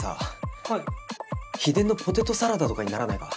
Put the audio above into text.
秘伝のポテトサラダとかにならないか？